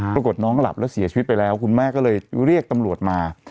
ปรากฏน้องหลับแล้วเสียชีวิตไปแล้วคุณแม่ก็เลยเรียกตำรวจมา